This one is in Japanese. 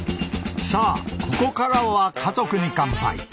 さあここからは「家族に乾杯」。